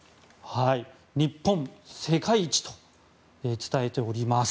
日本、世界一と伝えております。